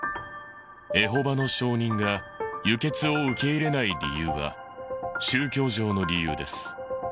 エホバの証人が輸血を受け入れない理由は、宗教上の理由です。